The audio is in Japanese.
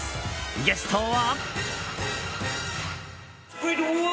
ゲストは。